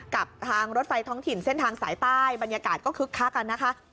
กับทางรถไฟท้องถิ่นเส้นทางสายใต้บรรยากาศก็คึกคักกันนะคะ